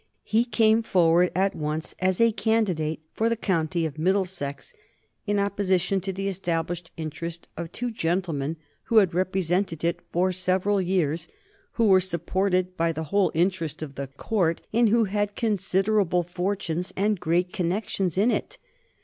He came forward at once as a candidate for the County of Middlesex in opposition to the established interest of two gentlemen who had represented it for several years, who were supported by the whole interest of the Court and who had considerable fortunes and great connections in it.